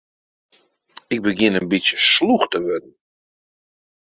Ik begjin in bytsje slûch te wurden.